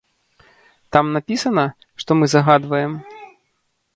Там напісана, што мы загадваем?